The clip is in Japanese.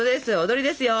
踊りですよ。